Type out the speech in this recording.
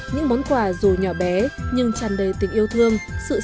những món quà dù nhỏ bé nhưng tràn đầy tình yêu thương